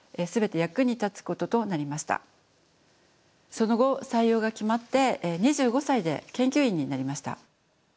その後採用が決まって２５歳で研究員になりました。